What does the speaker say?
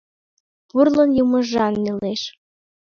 Пурлын йымыжан нелеш.